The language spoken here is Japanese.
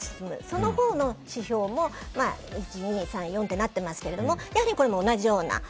そのほうの指標も１、２、３となっていますがやはり、これも同じような。